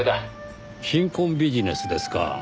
貧困ビジネスですか。